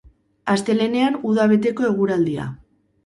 Astelehenean, uda beteko eguraldia.